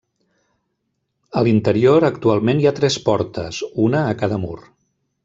A l'interior actualment hi ha tres portes, una a cada mur.